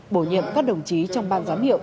bổ nhiệm các đồng chí trong ban giám hiệu